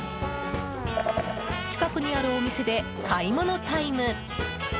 近くにあるお店で買い物タイム。